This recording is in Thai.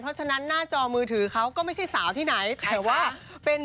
ตรงขนาดนี้เลยเหรอ